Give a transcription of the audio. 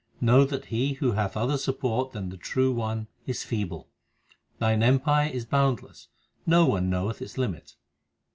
Know that he who hath other support than the True One is feeble. Thine empire is boundless ; no one knoweth its limit.